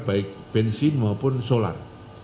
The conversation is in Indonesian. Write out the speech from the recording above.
baik bensin maupun solar